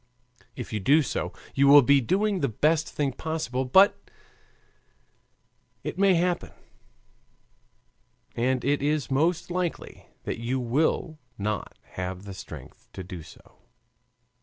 If you do so, you will be doing the best thing possible. But it may happen, and it is most likely, that you will not have the strength to do so.